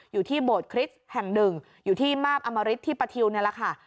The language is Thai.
อยู่ที่โบสถคริสต์แห่งหนึ่งอยู่ที่มาบอมริตที่ปะทิวนี่แหละค่ะ